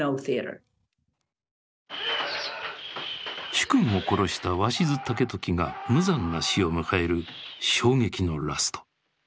主君を殺した鷲津武時が無残な死を迎える衝撃のラスト。